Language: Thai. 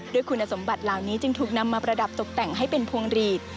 คุณสมบัติเหล่านี้จึงถูกนำมาประดับตกแต่งให้เป็นพวงหลีด